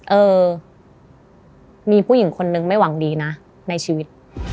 เออมีผู้หญิงคนนึงไม่หวังดีนะในชีวิต